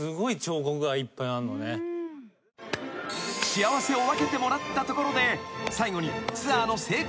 ［幸せを分けてもらったところで］